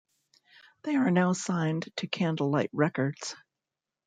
They are now signed to Candlelight Records.